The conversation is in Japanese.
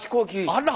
あら！